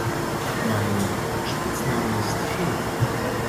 Mein Spitzname ist Fee.